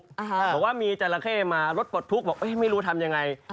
บอกว่ามีจราเข้มารถปลดทุกข์บอกไม่รู้ทำยังไง